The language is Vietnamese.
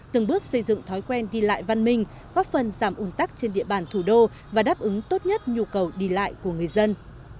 từng bước xây dựng thói quen đi lại văn minh góp phần giảm ủn tắc trên địa bàn thủ đô và đáp ứng tốt nhất nhu cầu đi lại của người dân